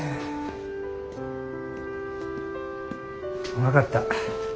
分かった。